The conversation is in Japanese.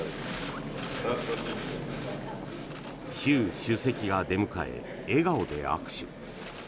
習主席が出迎え、笑顔で握手。